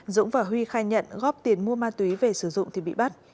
dũng và huy khai nhận góp tiền mua ma túy về sử dụng thì bị bắt